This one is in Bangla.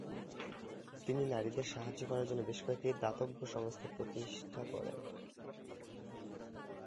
তিনি নারীদের সাহায্য করার জন্য বেশ কয়েকটি দাতব্য সংস্থা প্রতিষ্ঠা করেন।